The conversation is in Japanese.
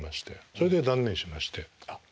それで断念しまして。